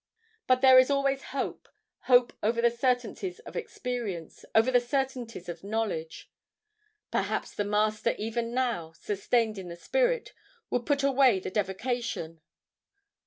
"But there is always hope, hope over the certainties of experience, over the certainties of knowledge. Perhaps the Master, even now, sustained in the spirit, would put away the devocation....